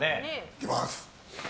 いきます。